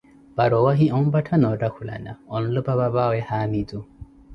para owaahi omphattha na otthakulana, onlupah papawe Haamitu.